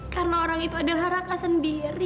karena orang itu adalah raka sendiri